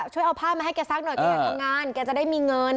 ช่วยเอาผ้ามาให้แกซักหน่อยแกอยากทำงานแกจะได้มีเงิน